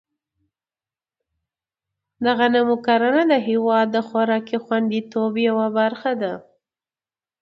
د غنمو کرنه د هېواد د خوراکي خوندیتوب یوه برخه ده.